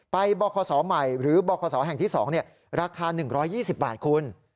บคศใหม่หรือบคศแห่งที่๒ราคา๑๒๐บาทคุณ